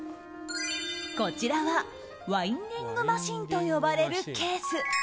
こちらはワインディングマシンと呼ばれるケース。